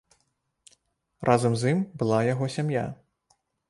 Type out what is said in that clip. Разам з ім была яго сям'я.